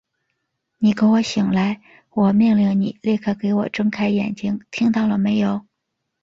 你给我醒来！我命令你立刻给我睁开眼睛，听到了没有！